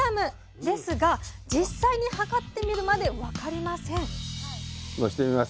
ですが実際に量ってみるまで分かりません載してみます。